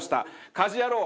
『家事ヤロウ！！！』